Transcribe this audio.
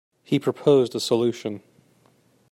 He proposed a solution.